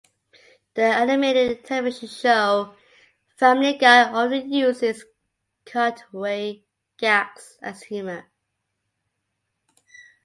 The animated television show "Family Guy" often uses cutaway gags as humor.